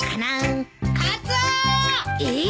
えっ？